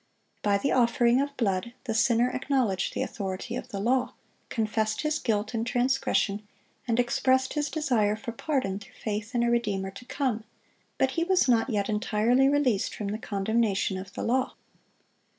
By the offering of blood, the sinner acknowledged the authority of the law, confessed his guilt in transgression, and expressed his desire for pardon through faith in a Redeemer to come; but he was not yet entirely released from the condemnation of the law.